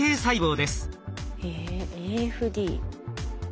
へえＡＦＤ。